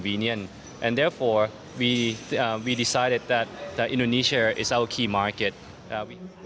dan karena itu kami memutuskan bahwa indonesia adalah pasar utama kami